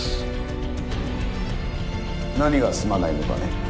何が「すまない」のかね？